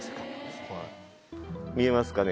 見えますかね？